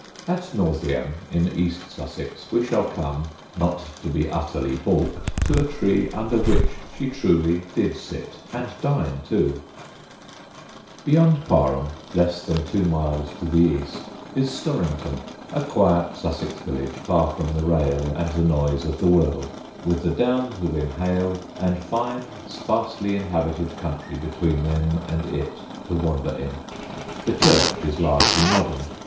At Northiam, in East Sussex, we shall come (not to be utterly baulked) to a tree under which she truly did sit and dine too. [Sidenote: JACK PUDDING'S WISDOM] Beyond Parham, less than two miles to the east, is Storrington, a quiet Sussex village far from the rail and the noise of the world, with the Downs within hail, and fine sparsely inhabited country between them and it to wander in. The church is largely modern.